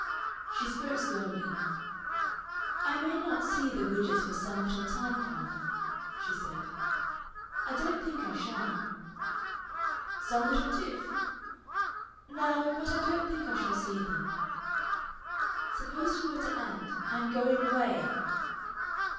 She spoke slowly. "I may not see the Widgetts for some little time, father," she said. "I don't think I shall." "Some little tiff?" "No; but I don't think I shall see them." Suppose she were to add, "I am going away!"